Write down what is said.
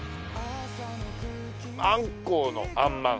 アンコウの鮟まん。